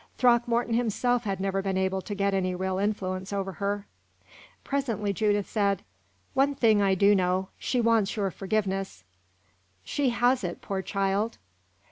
Throckmorton himself had never been able to get any real influence over her. Presently Judith said: "One thing I do know she wants your forgiveness." "She has it, poor child!"